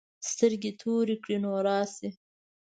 سترګې تورې کړې نو راشې.